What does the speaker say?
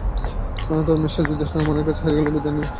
তবে ম্যাচটা যদি হয়, ওমানের কাছে হেরে গেলে বিদায় নিতে হবে বাংলাদেশকে।